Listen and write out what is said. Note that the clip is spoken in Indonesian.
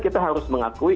kita harus mengakui